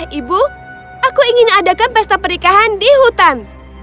ayah ibu aku ingin adakan pesta pernikahan di hutan